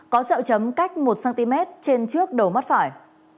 có xeo chấm cách một cm trên trước đầu mắt phải